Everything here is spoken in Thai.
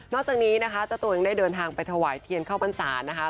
จากนี้นะคะเจ้าตัวยังได้เดินทางไปถวายเทียนเข้าพรรษานะคะ